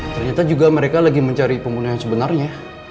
ternyata juga mereka lagi mencari pembunuhan yang sebenarnya